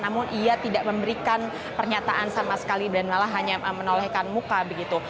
namun ia tidak memberikan pernyataan sama sekali dan malah hanya menolehkan muka begitu